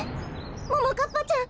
ももかっぱちゃん